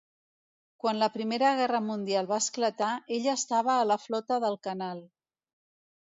Quan la Primera Guerra Mundial va esclatar, ella estava a la Flota del Canal.